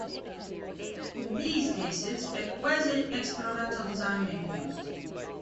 In these cases, a quasi-experimental design may be used.